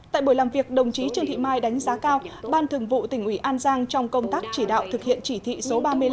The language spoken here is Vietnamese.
tại buổi làm việc đồng chí trương thị mai đánh giá cao ban thường vụ tỉnh ủy an giang trong công tác chỉ đạo thực hiện chỉ thị số ba mươi năm